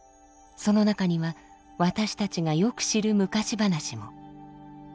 その中には私たちがよく知る昔話も。